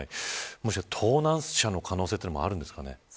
もしかしたら盗難車の可能性もあるんですかね。